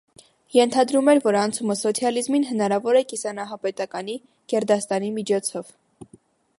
Ենթադրում էր, որ անցումը սոցիալիզմին հնարավոր է կիսանահապետականի (գերդաստանի) միջոցով։